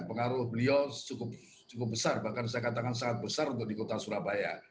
pengaruh beliau cukup besar bahkan saya katakan sangat besar untuk di kota surabaya